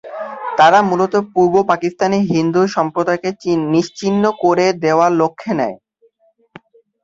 তারা মূলত পূর্ব পাকিস্তানের হিন্দু সম্প্রদায়কে নিশ্চিহ্ন করে দেওয়ার লক্ষ্য নেয়।